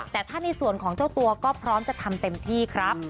แต่ถ้าในส่วนของเจ้าตัวก็พร้อมจะทำเต็มที่ครับ